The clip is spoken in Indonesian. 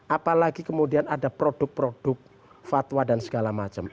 apalagi kemudian ada produk produk fatwa dan segala macam